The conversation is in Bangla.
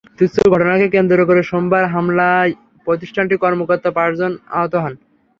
তুচ্ছ ঘটনাকে কেন্দ্র করে সোমবার হামলায় প্রতিষ্ঠানটির কর্মকর্তাসহ পাঁচজন আহত হন।